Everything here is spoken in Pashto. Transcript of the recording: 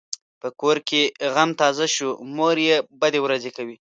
په کور کې غم تازه شو؛ مور یې بدې ورځې کوي.